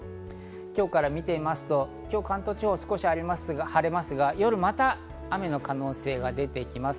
今日から見てみますと、今日、関東地方、少し晴れますが、夜また雨の可能性が出てきます。